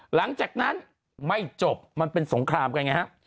หลังจากนั้นไม่จบมันเป็นสงครามกันไงฮะ